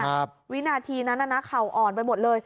วินาทีนั้นน่ะนะเข่าอ่อนไปหมดเลย